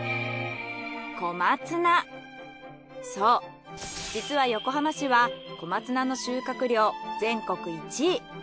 そう実は横浜市は小松菜の収穫量全国１位。